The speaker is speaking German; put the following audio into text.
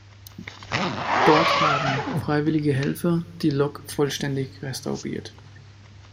Dort haben freiwillige Helfer die Lok vollständig restauriert.